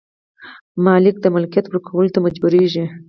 مالک د ملکیت ورکولو ته مجبوریږي.